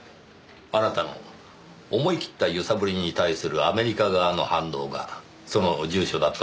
あなたの思い切った揺さぶりに対するアメリカ側の反応がその住所だったわけですね。